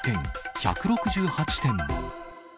１６８点も。